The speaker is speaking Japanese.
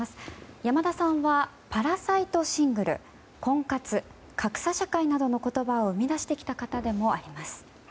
山田さんはパラサイト・シングル婚活、格差社会などの言葉を生み出してきた方でもあります。